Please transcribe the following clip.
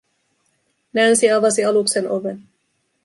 Nancy avasi aluksen oven.